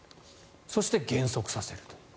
そして、減速させると。